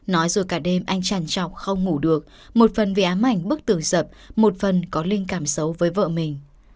nói rồi cả đêm anh chàn chọc không ngủ được một phần vì ám ảnh bức tưởng sập một phần có linh cảm xấu với vợ mình